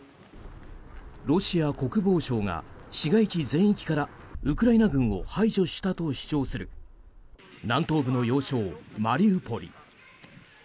ロシア国防省が市街地全域からウクライナ軍を排除したと主張する南東部の要衝マリウポリ。